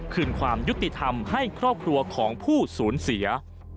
คืนความยุติธรรมให้ครอบครัวของผู้สูญเสีย